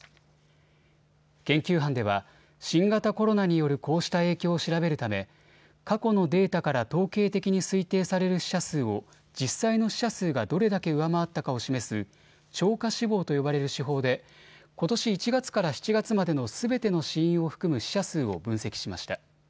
研究班では新型コロナによるこうした影響を調べるため過去のデータから統計的に推定される死者数を実際の死者数がどれだけ上回ったかを示す超過死亡と呼ばれる手法でことし１月から７月までのすべての死因を含む死者数を分析しました。